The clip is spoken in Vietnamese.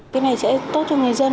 cái này sẽ tốt cho người dân